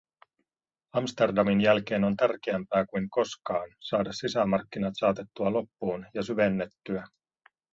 Amsterdamin jälkeen on tärkeämpää kuin koskaan saada sisämarkkinat saatettua loppuun ja syvennettyä.